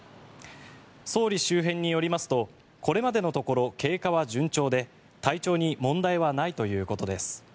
総理周辺によりますとこれまでのところ、経過は順調で体調に問題はないということです。